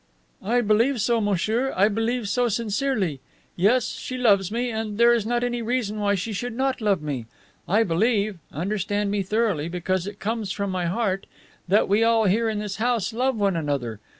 "I believe so, monsieur, I believe so sincerely. Yes, she loves me, and there is not any reason why she should not love me. I believe understand me thoroughly, because it comes from my heart that we all here in this house love one another.